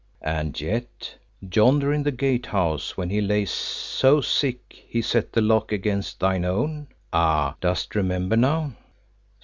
"And yet, yonder in the Gatehouse when he lay so sick he set the lock against thine own ah, dost remember now?"